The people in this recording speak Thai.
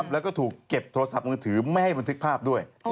แล้วก็ถูกเก็บโทรศัพท์มือถือไม่ให้บันทึกภาพด้วย